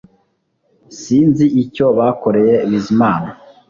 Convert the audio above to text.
Sinzi icyo bakoreye Bizimana